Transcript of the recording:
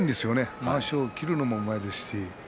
まわしを切るのもうまいです。